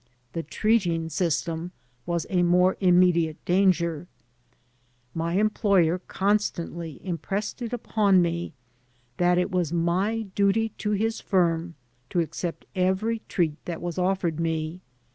The treating system was a more immediate danger. My employer constantly impressed it upon me that it was my duty to his firm to accept every treat that was offered me.